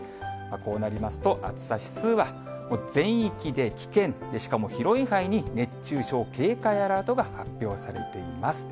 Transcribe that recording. こうなりますと、暑さ指数は全域で危険、しかも広い範囲に熱中症警戒アラートが発表されています。